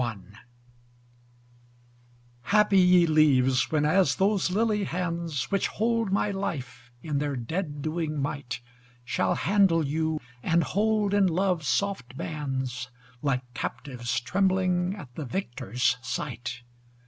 Bob I Happy ye leaves when as those lily hands, Which hold my life in their dead doing might, Shall handle you and hold in love's soft bands, Like captives trembling at the victor's sight.